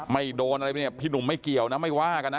ไม่โดนอะไรเนี่ยพี่หนุ่มไม่เกี่ยวนะไม่ว่ากันนะ